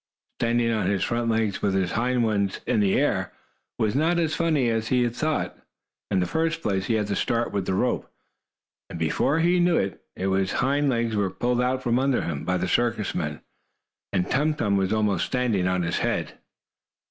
Standing on his front legs, with his hind ones in the air, was not as funny as he had thought. In the first place, he had to start with the rope, and, before he knew it, his hind legs were pulled out from under him, by the circus men, and Tum Tum was almost standing on his head.